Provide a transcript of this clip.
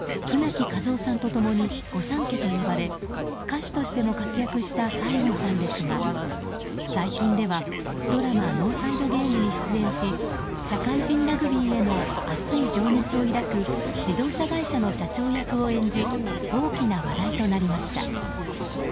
舟木一夫さんと共に御三家と呼ばれ歌手としても活躍した西郷さんですが最近では、ドラマ「ノーサイド・ゲーム」に出演し社会人ラグビーへの熱い情熱を抱く自動車会社の社長役を演じ大きな話題となりました。